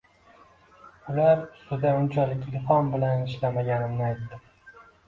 Ular ustida unchalik ilhom bilan ishlamaganimni aytdim.